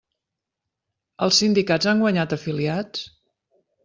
Els sindicats han guanyat afiliats?